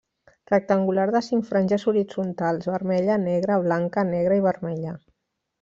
Rectangular de cinc franges horitzontals, vermella, negre, blanca, negre i vermella.